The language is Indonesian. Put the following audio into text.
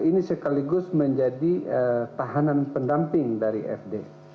ini sekaligus menjadi tahanan pendamping dari fd